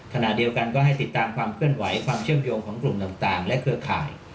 ขณะเดียวกันก็ให้ติดตามความเคลื่อนไหวความเชื่อมโยงของกลุ่มต่างและเครือข่าย